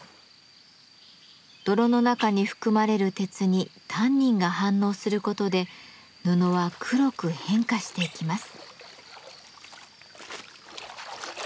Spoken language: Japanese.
泥の中に含まれる鉄にタンニンが反応することで布は黒く変化していきます。